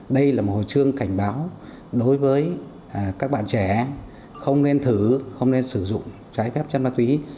đây là một hồi trương cảnh báo đối với các bạn trẻ không nên thử không nên sử dụng trái phép chất ma túy